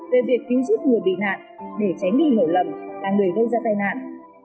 về việc cứu giúp người bị nạn để tránh bị lỗi lầm là người gây ra tai nạn